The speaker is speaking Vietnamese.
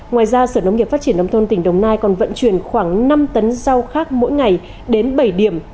ngoài ra sở nông nghiệp phát triển nông thôn tỉnh đồng nai còn vận chuyển khoảng năm tấn rau khác mỗi ngày đến bảy điểm